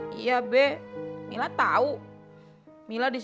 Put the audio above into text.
kenapa pak bea tarku areas